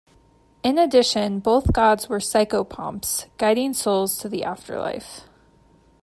In addition, both gods were psychopomps, guiding souls to the afterlife.